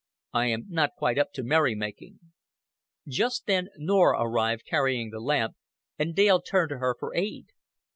"I am not quite up to merry making." Just then Norah arrived, carrying the lamp, and Dale turned to her for aid.